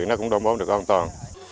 nó cũng đổ bố được an toàn